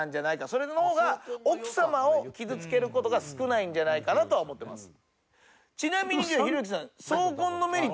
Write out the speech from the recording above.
それの方が奥様を傷つける事が少ないんじゃないかなとは思ってます。